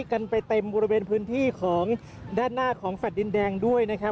กันไปเต็มบริเวณพื้นที่ของด้านหน้าของแฟลต์ดินแดงด้วยนะครับ